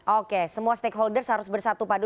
oke semua stakeholders harus bersatu pada